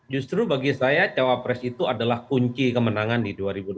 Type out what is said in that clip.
justru bagi saya cawapres itu adalah kunci kemenangan di dua ribu dua puluh